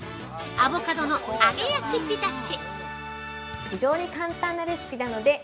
アボカドの揚げ焼きびたし。